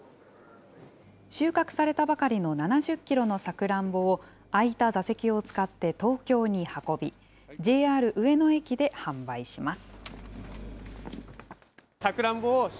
収穫されたばかりの７０キロのさくらんぼを、空いた座席を使って東京に運び、ＪＲ上野駅で販売します。